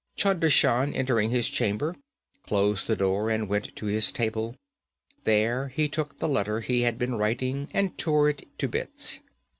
Chunder Shan, entering his chamber, closed the door and went to his table. There he took the letter he had been writing and tore it to bits.